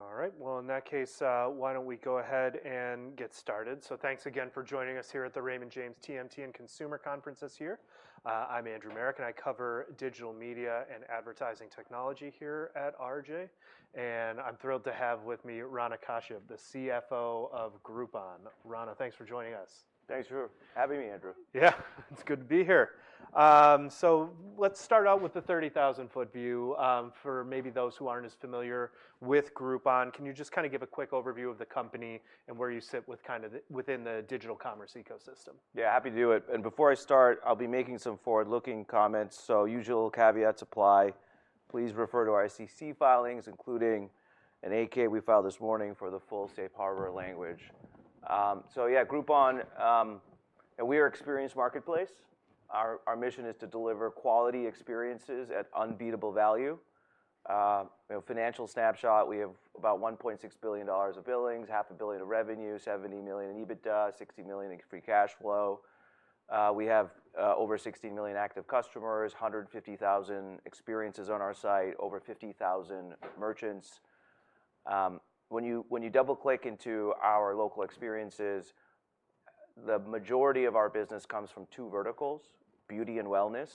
All right. Well, in that case, why don't we go ahead and get started? So thanks again for joining us here at the Raymond James TMT and Consumer Conference this year. I'm Andrew Marok, and I cover digital media and advertising technology here at RJ. And I'm thrilled to have with me Rana Kashyap, the CFO of Groupon. Rana, thanks for joining us. Thanks for having me, Andrew. Yeah, it's good to be here. So let's start out with the 30,000-foot view. For maybe those who aren't as familiar with Groupon, can you just kind of give a quick overview of the company and where you sit with kind of within the digital commerce ecosystem? Yeah, happy to do it. And before I start, I'll be making some forward-looking comments. So usual caveats apply. Please refer to our SEC filings, including a 8-K we filed this morning for the full Safe Harbor language. So yeah, Groupon, and we are an experienced marketplace. Our mission is to deliver quality experiences at unbeatable value. Financial snapshot, we have about $1.6 billion of billings, $500 million of revenue, $70 million EBITDA, $60 million in free cash flow. We have over 16 million active customers, 150,000 experiences on our site, over 50,000 merchants. When you double-click into our local experiences, the majority of our business comes from two verticals: Beauty and Wellness,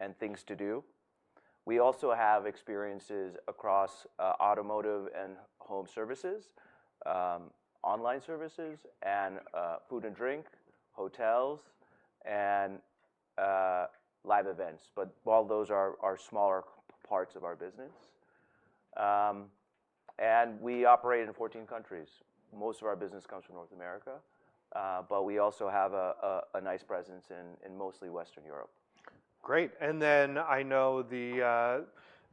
and Things To Do. We also have experiences across Automotive and Home Services, Online Services, and Food and Drink, Hotels, and Live Events. But all those are smaller parts of our business. We operate in 14 countries. Most of our business comes from North America, but we also have a nice presence in mostly Western Europe. Great. And then I know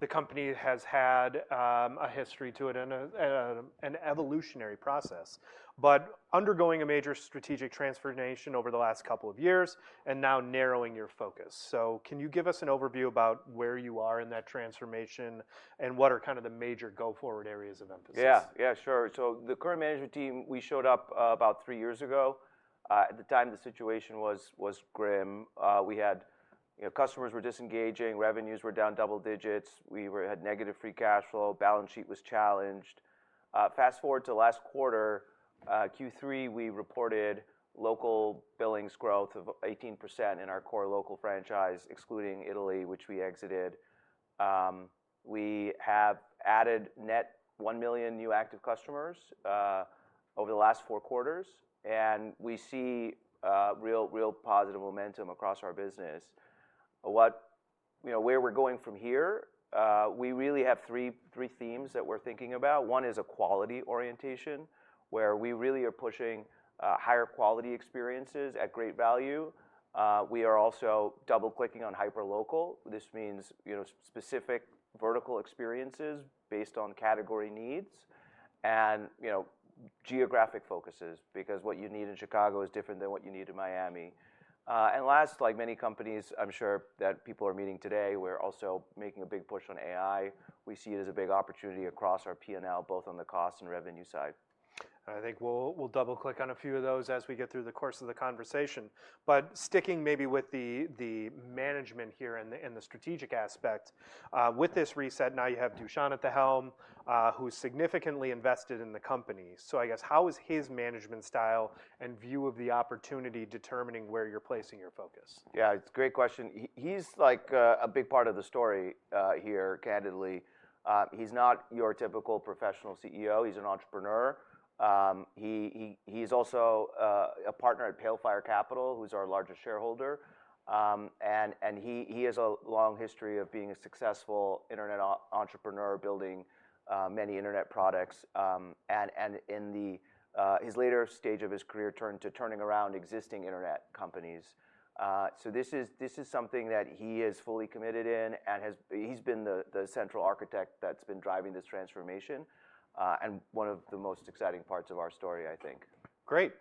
the company has had a history to it and an evolutionary process, but undergoing a major strategic transformation over the last couple of years and now narrowing your focus. So can you give us an overview about where you are in that transformation and what are kind of the major go-forward areas of emphasis? Yeah, yeah, sure. So the current management team, we showed up about three years ago. At the time, the situation was grim. We had customers were disengaging, revenues were down double digits. We had negative free cash flow. Balance sheet was challenged. Fast forward to last quarter, Q3, we reported local billings growth of 18% in our core local franchise, excluding Italy, which we exited. We have added net 1 million new active customers over the last four quarters. And we see real positive momentum across our business. Where we're going from here, we really have three themes that we're thinking about. One is a quality orientation, where we really are pushing higher quality experiences at great value. We are also double-clicking on hyperlocal. This means specific vertical experiences based on category needs and geographic focuses, because what you need in Chicago is different than what you need in Miami. Last, like many companies, I'm sure that people are meeting today, we're also making a big push on AI. We see it as a big opportunity across our P&L, both on the cost and revenue side. I think we'll double-click on a few of those as we get through the course of the conversation. Sticking maybe with the management here in the strategic aspect, with this reset, now you have Dusan at the helm, who's significantly invested in the company. I guess, how is his management style and view of the opportunity determining where you're placing your focus? Yeah, it's a great question. He's like a big part of the story here, candidly. He's not your typical professional CEO. He's an entrepreneur. He's also a partner at Pale Fire Capital, who's our largest shareholder. And he has a long history of being a successful internet entrepreneur, building many internet products. And in his later stage of his career, turned to turning around existing internet companies. So this is something that he is fully committed in. And he's been the central architect that's been driving this transformation and one of the most exciting parts of our story, I think. Great.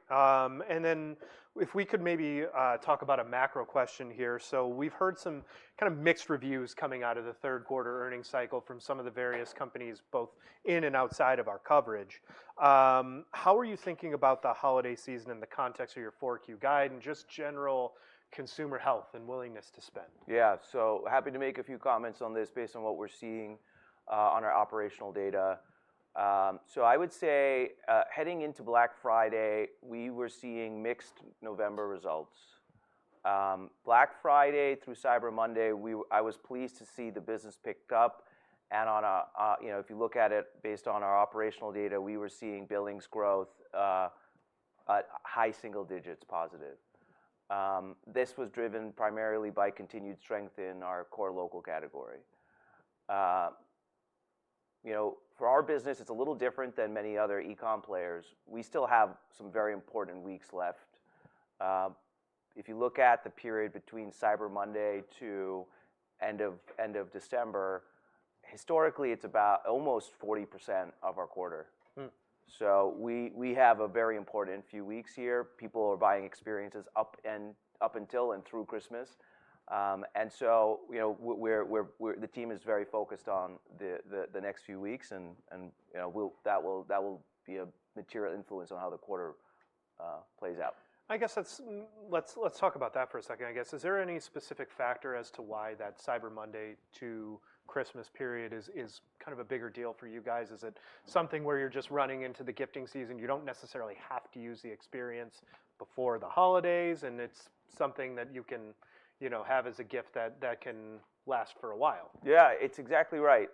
If we could maybe talk about a macro question here. We've heard some kind of mixed reviews coming out of the third quarter earnings cycle from some of the various companies, both in and outside of our coverage. How are you thinking about the holiday season in the context of your 4Q guide and just general consumer health and willingness to spend? Yeah, so happy to make a few comments on this based on what we're seeing on our operational data. So I would say, heading into Black Friday, we were seeing mixed November results. Black Friday through Cyber Monday, I was pleased to see the business picked up. And if you look at it based on our operational data, we were seeing billings growth, high single digits positive. This was driven primarily by continued strength in our core local category. For our business, it's a little different than many other e-comm players. We still have some very important weeks left. If you look at the period between Cyber Monday to end of December, historically, it's about almost 40% of our quarter. So we have a very important few weeks here. People are buying experiences up until and through Christmas. And so the team is very focused on the next few weeks. That will be a material influence on how the quarter plays out. I guess let's talk about that for a second. I guess, is there any specific factor as to why that Cyber Monday to Christmas period is kind of a bigger deal for you guys? Is it something where you're just running into the gifting season? You don't necessarily have to use the experience before the holidays, and it's something that you can have as a gift that can last for a while. Yeah, it's exactly right.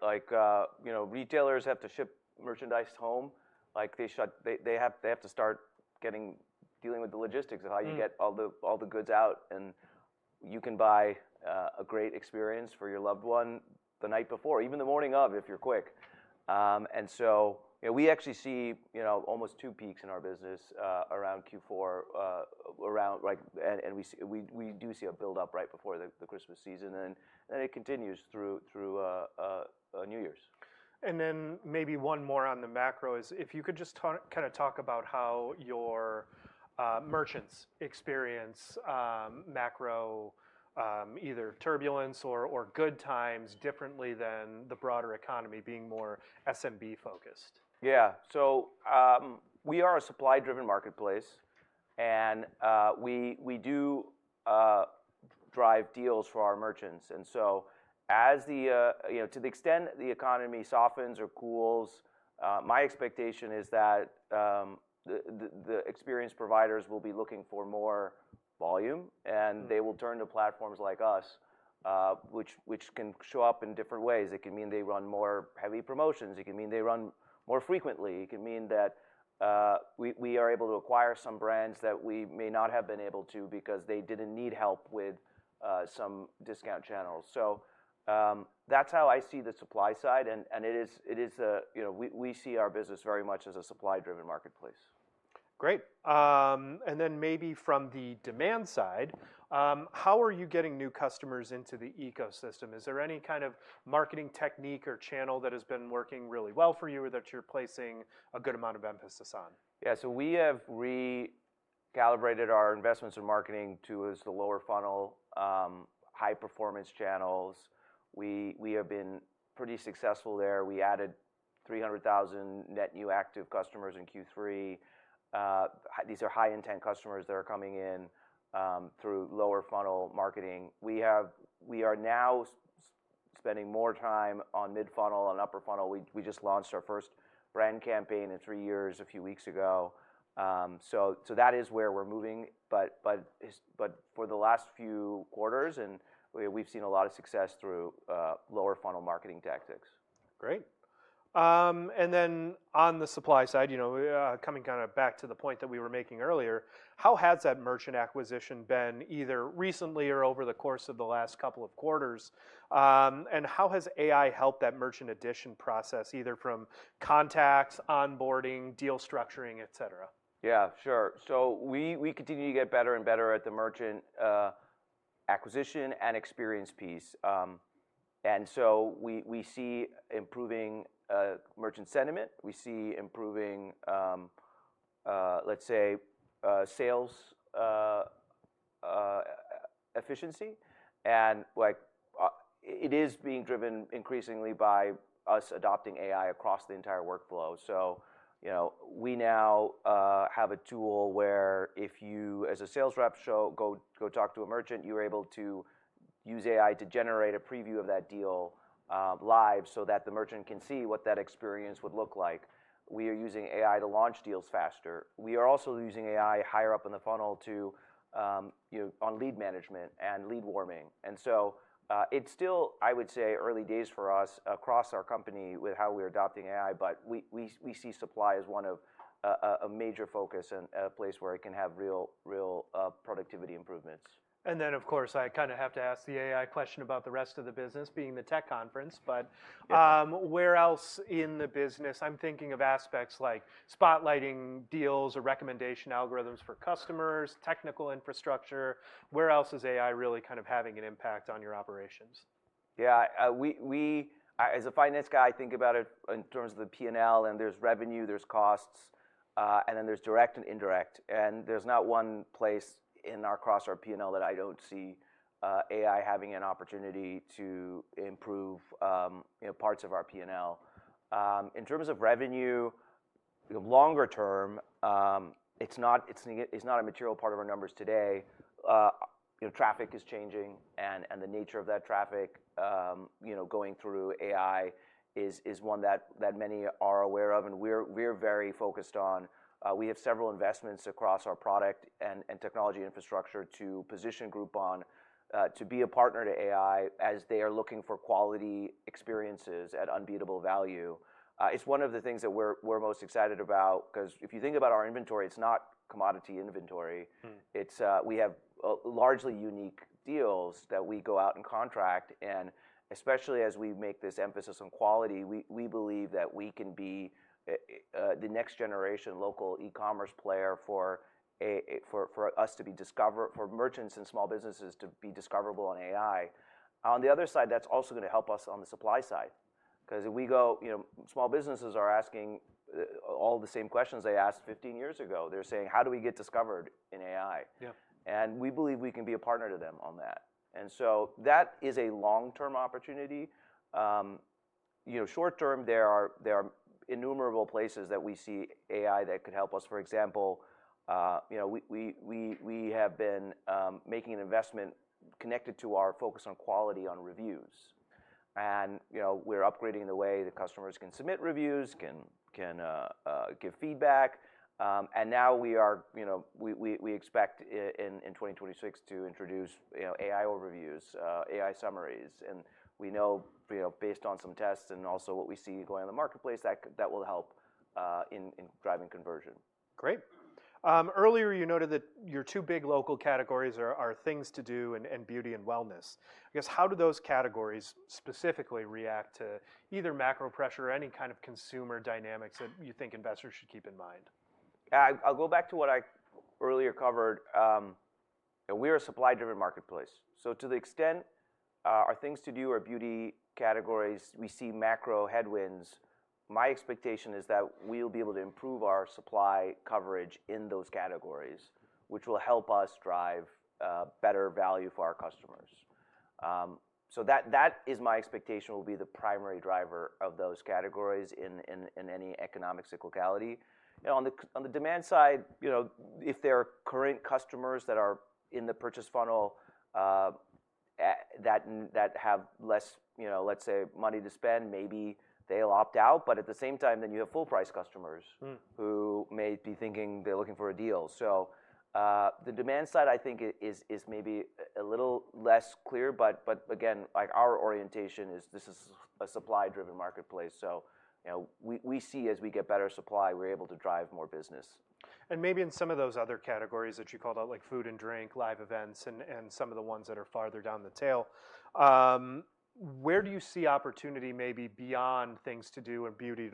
Retailers have to ship merchandise home. They have to start dealing with the logistics of how you get all the goods out. And you can buy a great experience for your loved one the night before, even the morning of, if you're quick. And so we actually see almost two peaks in our business around Q4. And we do see a build-up right before the Christmas season. And then it continues through New Year's. And then maybe one more on the macro is, if you could just kind of talk about how your merchants experience macro, either turbulence or good times differently than the broader economy being more SMB-focused? Yeah. So we are a supply-driven marketplace. And we do drive deals for our merchants. And so as to the extent the economy softens or cools, my expectation is that the experience providers will be looking for more volume. And they will turn to platforms like us, which can show up in different ways. It can mean they run more heavy promotions. It can mean they run more frequently. It can mean that we are able to acquire some brands that we may not have been able to because they didn't need help with some discount channels. So that's how I see the supply side. And we see our business very much as a supply-driven marketplace. Great. And then maybe from the demand side, how are you getting new customers into the ecosystem? Is there any kind of marketing technique or channel that has been working really well for you or that you're placing a good amount of emphasis on? Yeah, so we have recalibrated our investments in marketing to the lower funnel, high-performance channels. We have been pretty successful there. We added 300,000 net new active customers in Q3. These are high-intent customers that are coming in through lower funnel marketing. We are now spending more time on mid-funnel and upper funnel. We just launched our first brand campaign in three years a few weeks ago, so that is where we're moving, but for the last few quarters, we've seen a lot of success through lower funnel marketing tactics. Great. And then on the supply side, coming kind of back to the point that we were making earlier, how has that merchant acquisition been either recently or over the course of the last couple of quarters? And how has AI helped that merchant addition process, either from contacts, onboarding, deal structuring, et cetera? Yeah, sure. So we continue to get better and better at the merchant acquisition and experience piece. And so we see improving merchant sentiment. We see improving, let's say, sales efficiency. And it is being driven increasingly by us adopting AI across the entire workflow. So we now have a tool where if you, as a sales rep, go talk to a merchant, you're able to use AI to generate a preview of that deal live so that the merchant can see what that experience would look like. We are using AI to launch deals faster. We are also using AI higher up in the funnel on lead management and lead warming. And so it's still, I would say, early days for us across our company with how we're adopting AI. But we see supply as one of a major focus and a place where it can have real productivity improvements. And then, of course, I kind of have to ask the AI question about the rest of the business being the tech conference. But where else in the business? I'm thinking of aspects like spotlighting deals or recommendation algorithms for customers, technical infrastructure. Where else is AI really kind of having an impact on your operations? Yeah. As a finance guy, I think about it in terms of the P&L. And there's revenue, there's costs, and then there's direct and indirect. And there's not one place across our P&L that I don't see AI having an opportunity to improve parts of our P&L. In terms of revenue, longer term, it's not a material part of our numbers today. Traffic is changing. And the nature of that traffic going through AI is one that many are aware of. And we're very focused on we have several investments across our product and technology infrastructure to position Groupon to be a partner to AI as they are looking for quality experiences at unbeatable value. It's one of the things that we're most excited about because if you think about our inventory, it's not commodity inventory. We have largely unique deals that we go out and contract. Especially as we make this emphasis on quality, we believe that we can be the next generation local e-commerce player for users to be discovered, for merchants and small businesses to be discoverable on AI. On the other side, that's also going to help us on the supply side because small businesses are asking all the same questions they asked 15 years ago. They're saying, how do we get discovered in AI? And we believe we can be a partner to them on that. And so that is a long-term opportunity. Short term, there are innumerable places that we see AI that could help us. For example, we have been making an investment connected to our focus on quality on reviews. And we're upgrading the way that customers can submit reviews, can give feedback. And now we expect in 2026 to introduce AI overviews, AI summaries. We know, based on some tests and also what we see going on in the marketplace, that will help in driving conversion. Great. Earlier, you noted that your two big local categories are Things to Do and Beauty and Wellness. I guess, how do those categories specifically react to either macro pressure or any kind of consumer dynamics that you think investors should keep in mind? I'll go back to what I earlier covered. We are a supply-driven marketplace. So to the extent our Things to Do or Beauty categories, we see macro headwinds. My expectation is that we'll be able to improve our supply coverage in those categories, which will help us drive better value for our customers. So that is my expectation will be the primary driver of those categories in any economic cyclicality. On the demand side, if there are current customers that are in the purchase funnel that have less, let's say, money to spend, maybe they'll opt out. But at the same time, then you have full-price customers who may be thinking they're looking for a deal. So the demand side, I think, is maybe a little less clear. But again, our orientation is this is a supply-driven marketplace. So we see as we get better supply, we're able to drive more business. Maybe in some of those other categories that you called out, like Food and Drink, live events, and some of the ones that are farther down the tail, where do you see opportunity maybe beyond Things to Do or Beauty and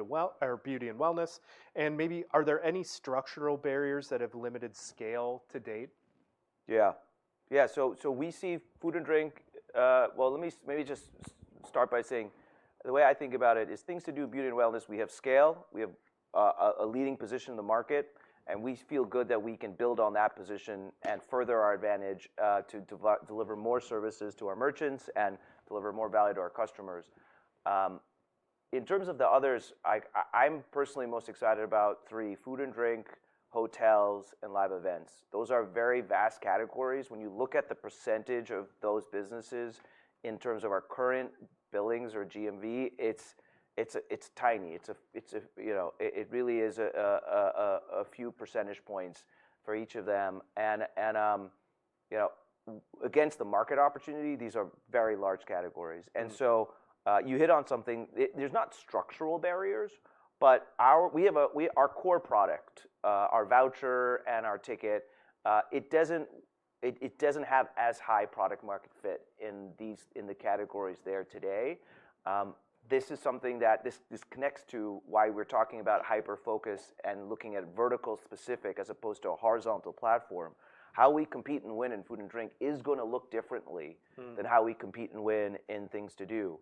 Wellness? Maybe, are there any structural barriers that have limited scale to date? Yeah. Yeah. So we see Food and Drink, well, let me just start by saying the way I think about it is Things to Do, Beauty and Wellness. We have scale. We have a leading position in the market. And we feel good that we can build on that position and further our advantage to deliver more services to our merchants and deliver more value to our customers. In terms of the others, I'm personally most excited about three: Food and Drink, Hotels, and Live Events. Those are very vast categories. When you look at the percentage of those businesses in terms of our current billings or GMV, it's tiny. It really is a few percentage points for each of them. And against the market opportunity, these are very large categories. And so you hit on something. There's not structural barriers. But our core product, our voucher and our ticket, it doesn't have as high product-market fit in the categories there today. This is something that this connects to why we're talking about hyper-focus and looking at vertical specific as opposed to a horizontal platform. How we compete and win in Food and Drink is going to look differently than how we compete and win in Things to Do.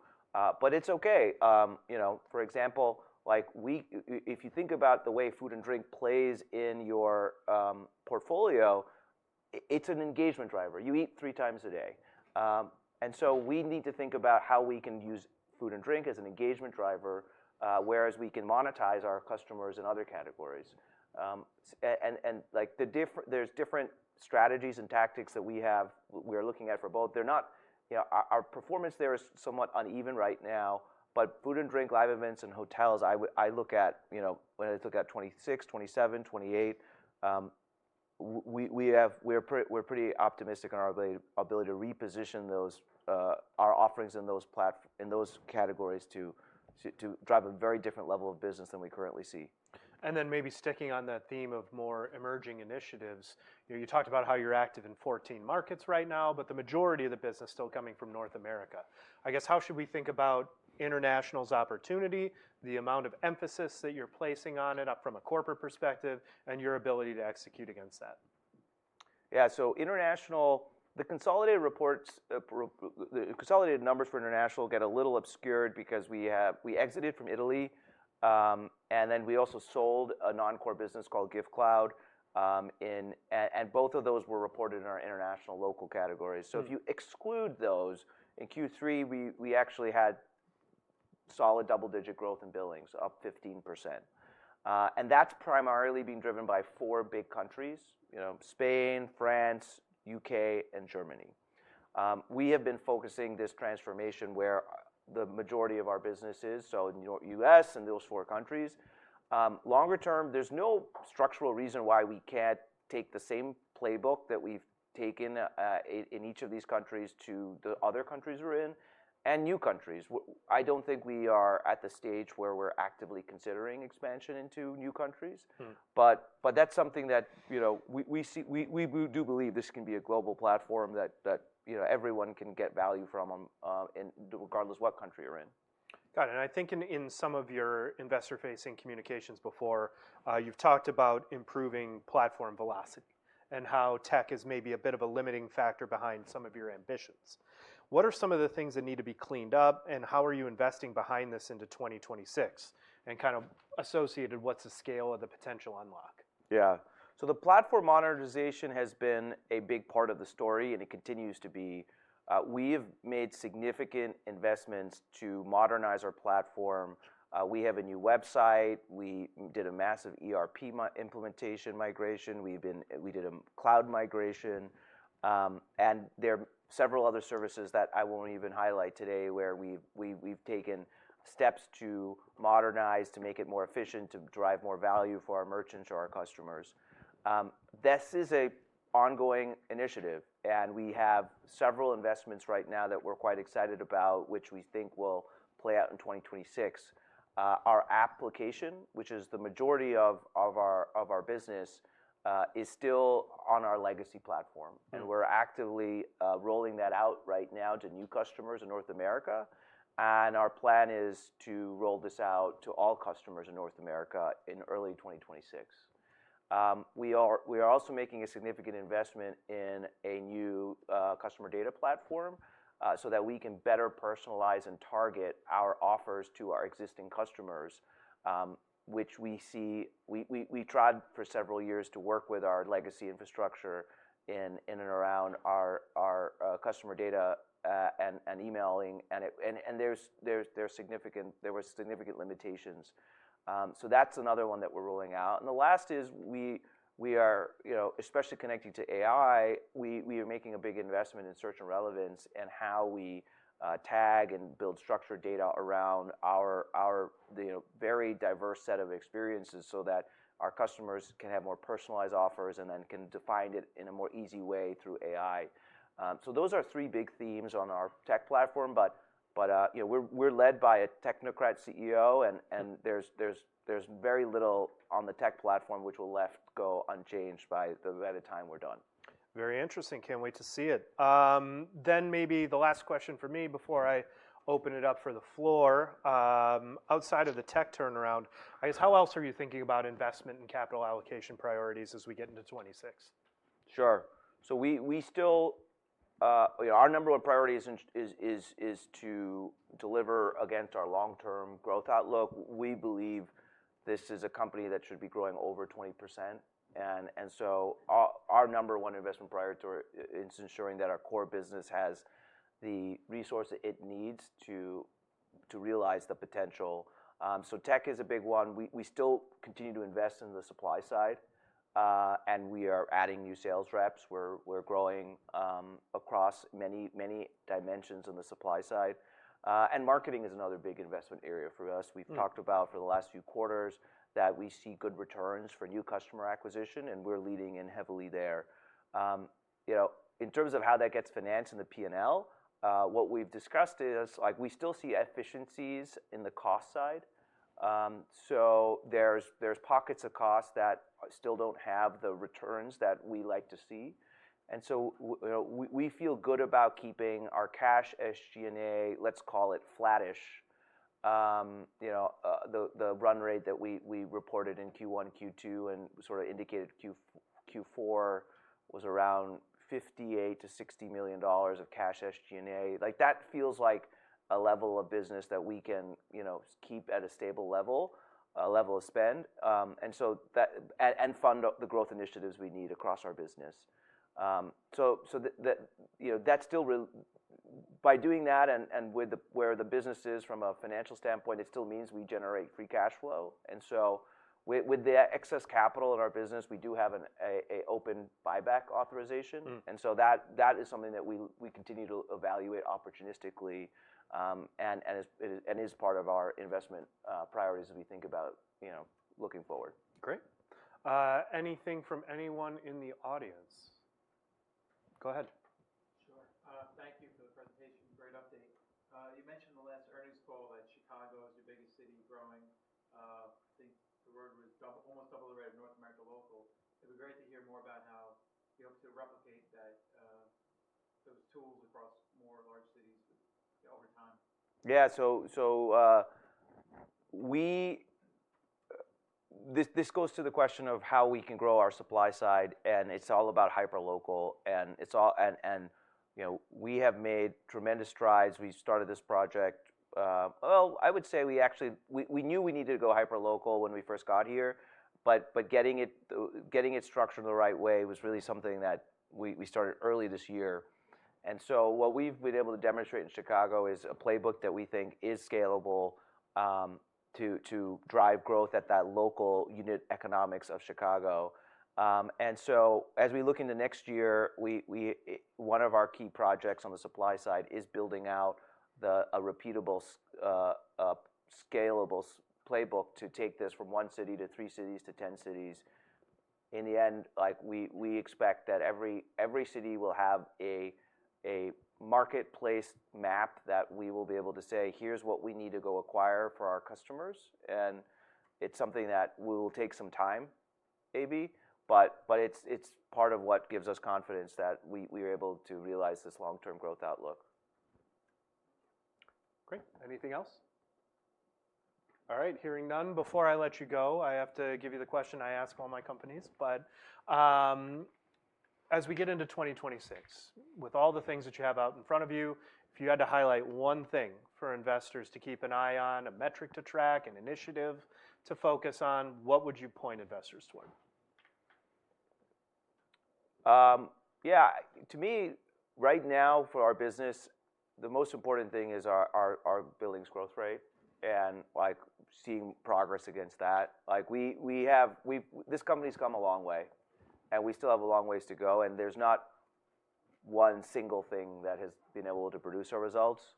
But it's OK. For example, if you think about the way Food and Drink plays in your portfolio, it's an engagement driver. You eat three times a day. And so we need to think about how we can use Food and Drink as an engagement driver, whereas we can monetize our customers in other categories. And there's different strategies and tactics that we are looking at for both. Our performance there is somewhat uneven right now. But Food and Drink, Live Events, and Hotels, I look at when I look at 2026, 2027, 2028, we're pretty optimistic in our ability to reposition our offerings in those categories to drive a very different level of business than we currently see. And then maybe sticking on that theme of more emerging initiatives, you talked about how you're active in 14 markets right now. But the majority of the business is still coming from North America. I guess, how should we think about international's opportunity, the amount of emphasis that you're placing on it from a corporate perspective, and your ability to execute against that? Yeah. So the consolidated numbers for international get a little obscured because we exited from Italy. And then we also sold a non-core business called Giftcloud. And both of those were reported in our international local categories. So if you exclude those, in Q3, we actually had solid double-digit growth in billings, up 15%. And that's primarily being driven by four big countries: Spain, France, U.K., and Germany. We have been focusing this transformation where the majority of our business is, so in the U.S. and those four countries. Longer term, there's no structural reason why we can't take the same playbook that we've taken in each of these countries to the other countries we're in and new countries. I don't think we are at the stage where we're actively considering expansion into new countries. But that's something that we do believe this can be a global platform that everyone can get value from regardless of what country you're in. Got it. And I think in some of your investor-facing communications before, you've talked about improving platform velocity and how tech is maybe a bit of a limiting factor behind some of your ambitions. What are some of the things that need to be cleaned up? And how are you investing behind this into 2026? And kind of associated, what's the scale of the potential unlock? Yeah. So the platform modernization has been a big part of the story. And it continues to be. We have made significant investments to modernize our platform. We have a new website. We did a massive ERP implementation migration. We did a cloud migration. And there are several other services that I won't even highlight today where we've taken steps to modernize, to make it more efficient, to drive more value for our merchants or our customers. This is an ongoing initiative. And we have several investments right now that we're quite excited about, which we think will play out in 2026. Our application, which is the majority of our business, is still on our legacy platform. And we're actively rolling that out right now to new customers in North America. And our plan is to roll this out to all customers in North America in early 2026. We are also making a significant investment in a new customer data platform so that we can better personalize and target our offers to our existing customers, which we see we tried for several years to work with our legacy infrastructure in and around our customer data and emailing. And there were significant limitations. So that's another one that we're rolling out. And the last is we are, especially connecting to AI, we are making a big investment in search and relevance and how we tag and build structured data around our very diverse set of experiences so that our customers can have more personalized offers and then can define it in a more easy way through AI. So those are three big themes on our tech platform. But we're led by a technocrat CEO. There's very little on the tech platform which will be left unchanged by the time we're done. Very interesting. Can't wait to see it. Then maybe the last question for me before I open it up for the floor. Outside of the tech turnaround, I guess, how else are you thinking about investment and capital allocation priorities as we get into 2026? Sure. So our number one priority is to deliver against our long-term growth outlook. We believe this is a company that should be growing over 20%. And so our number one investment priority is ensuring that our core business has the resource that it needs to realize the potential. So tech is a big one. We still continue to invest in the supply side. And we are adding new sales reps. We're growing across many dimensions in the supply side. And marketing is another big investment area for us. We've talked about for the last few quarters that we see good returns for new customer acquisition. And we're leading in heavily there. In terms of how that gets financed in the P&L, what we've discussed is we still see efficiencies in the cost side. So there's pockets of cost that still don't have the returns that we like to see. And so we feel good about keeping our Cash SG&A, let's call it flattish. The run rate that we reported in Q1, Q2, and sort of indicated Q4 was around $58-$60 million of Cash SG&A. That feels like a level of business that we can keep at a stable level, a level of spend, and fund the growth initiatives we need across our business. So by doing that and where the business is from a financial standpoint, it still means we generate free cash flow. And so with the excess capital in our business, we do have an open buyback authorization. And so that is something that we continue to evaluate opportunistically and is part of our investment priorities as we think about looking forward. Great. Anything from anyone in the audience? Go ahead. Sure. Thank you for the presentation. Great update. You mentioned the last earnings call that Chicago is your biggest city growing. I think the world was almost double the rate of North America Local. It'd be great to hear more about how you hope to replicate those tools across more. Yeah, so this goes to the question of how we can grow our supply side, and it's all about hyper-local. We have made tremendous strides. We started this project. I would say we knew we needed to go hyper-local when we first got here. But getting it structured in the right way was really something that we started early this year, and so what we've been able to demonstrate in Chicago is a playbook that we think is scalable to drive growth at that local unit economics of Chicago. As we look into next year, one of our key projects on the supply side is building out a repeatable, scalable playbook to take this from one city to three cities to 10 cities. In the end, we expect that every city will have a marketplace map that we will be able to say, here's what we need to go acquire for our customers. And it's something that will take some time, maybe. But it's part of what gives us confidence that we are able to realize this long-term growth outlook. Great. Anything else? All right. Hearing none. Before I let you go, I have to give you the question I ask all my companies, but as we get into 2026, with all the things that you have out in front of you, if you had to highlight one thing for investors to keep an eye on, a metric to track, an initiative to focus on, what would you point investors toward? Yeah. To me, right now for our business, the most important thing is our billings growth rate and seeing progress against that. This company's come a long way, and we still have a long ways to go, and there's not one single thing that has been able to produce our results.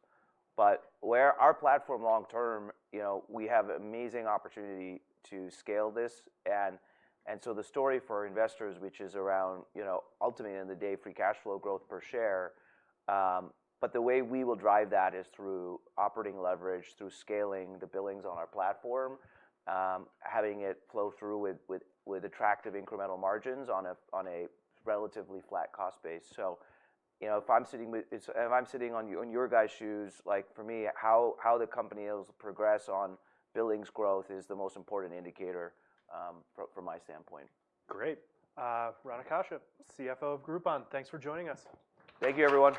But with our platform long-term, we have amazing opportunity to scale this, and so the story for investors, which is ultimately at the end of the day free cash flow growth per share. But the way we will drive that is through operating leverage, through scaling the billings on our platform, having it flow through with attractive incremental margins on a relatively flat cost base, so if I'm sitting in you guys' shoes, for me, how the company has progressed on billings growth is the most important indicator from my standpoint. Great. Rana Kashyap, CFO of Groupon. Thanks for joining us. Thank you, everyone.